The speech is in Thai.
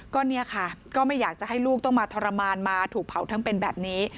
ก็เนี่ยค่ะก็ไม่อยากจะให้ลูกต้องมาทรมานมาถูกเผาทั้งเป็นแบบนี้